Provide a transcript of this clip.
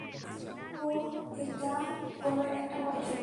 ওহ, এটা অনেক বড় একটা পদক্ষেপ।